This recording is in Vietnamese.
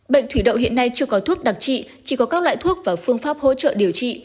bệnh thủy đậu hiện nay chưa có thuốc đặc trị chỉ có các loại thuốc và phương pháp hỗ trợ điều trị